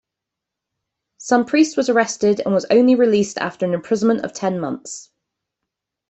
Saint-Priest was arrested, and was only released after an imprisonment of ten months.